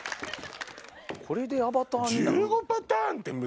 これでアバターになる？